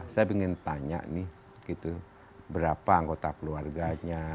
saya ingin tanya nih gitu berapa anggota keluarganya